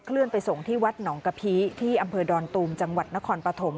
เลื่อนไปส่งที่วัดหนองกะพีที่อำเภอดอนตูมจังหวัดนครปฐม